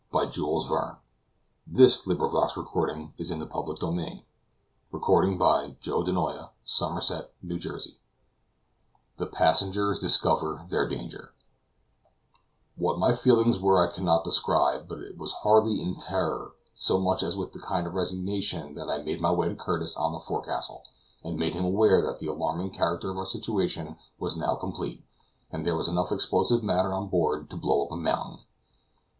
"Yes," said Falsten, "a case containing thirty pounds." "Where is it?" I cried. "Down in the hold, with the cargo." CHAPTER XI THE PASSENGERS DISCOVER THEIR DANGER WHAT my feelings were I cannot describe; but it was hardly in terror so much as with a kind of resignation that I made my way to Curtis on the forecastle, and made him aware that the alarming character of our situation was now complete, as there was enough explosive matter on board to blow up a mountain.